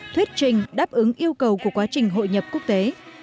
thuyết trình đáp ứng yêu cầu của quá trình hội nhập quốc tế